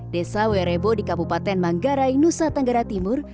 desa werebo di kabupaten manggarai nusa tenggara timur